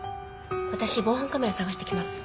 私防犯カメラ探してきます。